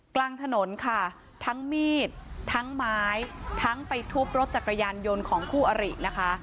กลางถนนค่ะทั้งมีดทั้งไม้ทั้งไปทุบรถจักรยานยนต์ของคู่อรินะคะ